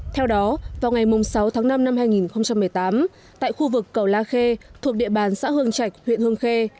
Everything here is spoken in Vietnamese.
theo đó vào ngày sáu tháng năm năm hai nghìn một mươi tám tại khu vực cầu la khê thuộc địa bàn xã hương trạch huyện hương khê